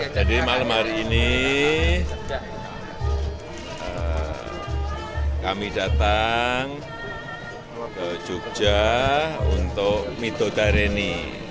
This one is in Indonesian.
jadi malam hari ini kami datang ke jogja untuk mido dari ini